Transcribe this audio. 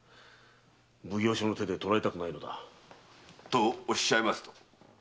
奉行所の手で捕らえたくない。とおっしゃいますと？